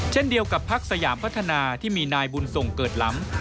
เช่นเดียวกับพักสยามพัฒนาที่มีนายบุญส่งเกิดล้ำ